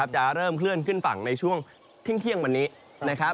จะเริ่มเคลื่อนขึ้นฝั่งในช่วงเที่ยงวันนี้นะครับ